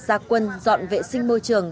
gia quân dọn vệ sinh môi trường